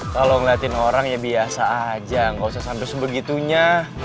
kalau ngeliatin orang ya biasa aja nggak usah sampai sebegitunya